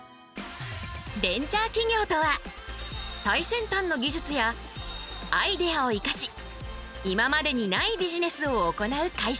ベンチャー企業とは最先端の技術やアイデアを生かし今までにないビジネスを行う会社。